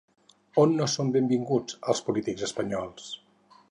On no són benvinguts els polítics espanyols?